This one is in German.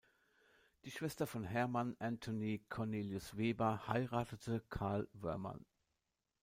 Die Schwester von Hermann Anthony Cornelius Weber heiratete Carl Woermann.